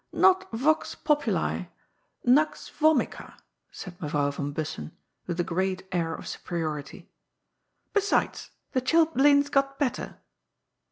" Not * vox populi,' * nux vomica,' " said Mevrouw van Bussen, with a great air of superiority. ^* Besides, the chil blains got better."